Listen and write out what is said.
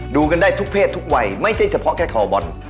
ดูกันได้ทุกเพศทุกวัยไม่ใช่เฉพาะแค่คอบอล